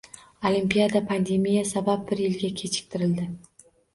Olimpiada pandemiya sabab bir yilga kechiktirildi.